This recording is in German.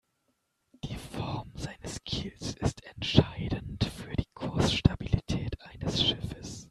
Die Form seines Kiels ist entscheidend für die Kursstabilität eines Schiffes.